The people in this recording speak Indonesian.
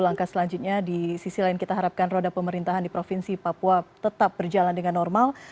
langkah selanjutnya di sisi lain kita harapkan roda pemerintahan di provinsi papua tetap berjalan dengan normal